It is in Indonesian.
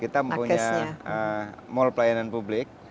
kita mempunyai mall pelayanan publik